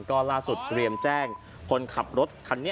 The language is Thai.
ก็ล่าสุดเตรียมแจ้งคนขับรถคันนี้